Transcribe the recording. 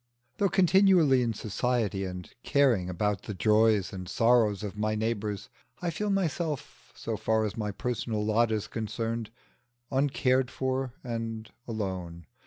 Though continually in society, and caring about the joys and sorrows of my neighbours, I feel myself, so far as my personal lot is concerned, uncared for and alone.